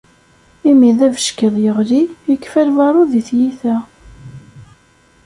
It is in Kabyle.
Imi d abeckiḍ yeɣli yekfa lbaṛud i tyita.